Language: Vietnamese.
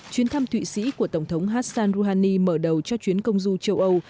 chuyến thăm thụy sĩ của tổng thống hassan rouhani mở đầu cho chuyến công du châu âu